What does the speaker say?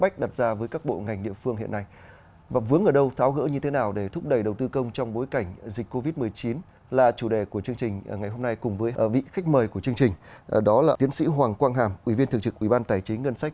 tổng vốn đầu tư công mới giải ngân được một mươi tám một